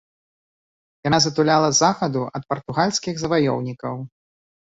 Яна затуляла з захаду ад партугальскіх заваёўнікаў.